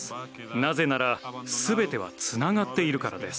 なぜならすべてはつながっているからです。